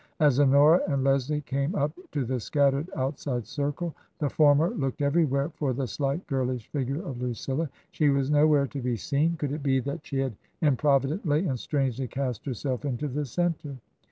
As Honora and Leslie came up to the scattered outside circle, the former looked everywhere for the slight girlish figure of Lucilla. She was nowhere to be seen. Could it be that she had improvidently and strangely cast herself into the centre